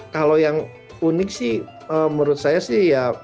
kalau yang unik sih menurut saya sih ya